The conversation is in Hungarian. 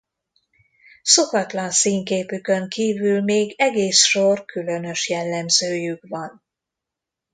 Szokatlan színképükön kívül még egész sor különös jellemzőjük van.